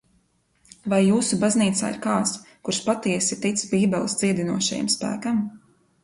Vai jūsu baznīcā ir kāds, kurš patiesi tic Bībeles dziedinošajam spēkam?